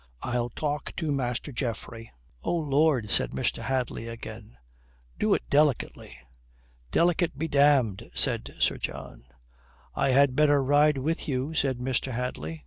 "I'll talk to Master Geoffrey." "Oh Lord," said Mr. Hadley again. "Do it delicately." "Delicate be damned," said Sir John. "I had better ride with you," said Mr. Hadley.